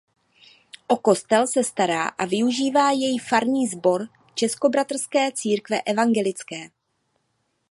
O kostel se stará a využívá jej farní sbor Českobratrské církve evangelické.